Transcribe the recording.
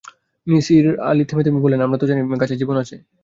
নিসার আলি থেমে-থেমে বললেন, আমরা তো জানি গাছের জীবন আছে।